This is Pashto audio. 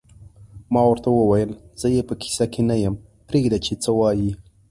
ما ورته وویل: زه یې په کیسه کې نه یم، پرېږده چې څه وایې.